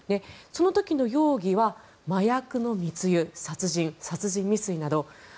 その時の容疑は麻薬の密輸殺人、殺人未遂など。